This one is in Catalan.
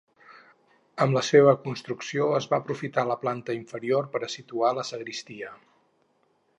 Amb la seua construcció es va aprofitar la planta inferior per a situar la sagristia.